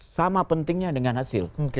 sama pentingnya dengan hasil